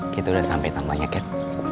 kita udah sampe tamanya kat